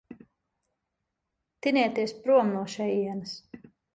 Tinieties prom no šejienes.